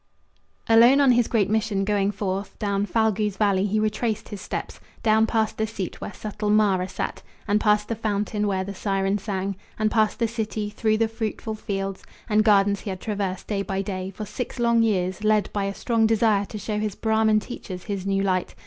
Alone on his great mission going forth, Down Phalgu's valley he retraced his steps, Down past the seat where subtle Mara sat, And past the fountain where the siren sang, And past the city, through the fruitful fields And gardens he had traversed day by day For six long years, led by a strong desire To show his Brahman teachers his new light.